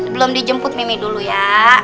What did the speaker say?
belum dijemput mimi dulu ya